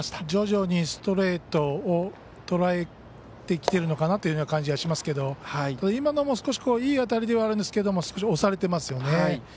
徐々にストレートをとらえてきてるのかなというような感じがしますけど、今のも少しいい当たりではあるんですが少し押されてますよね。